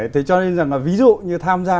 thế cho nên là ví dụ như tham gia